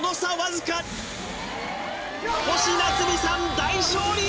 星奈津美さん大勝利！